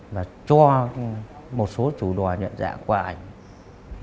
và cho một số chủ đò nhận dạng qua ảnh